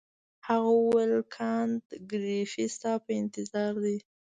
هغه وویل کانت ګریفي ستا په انتظار دی.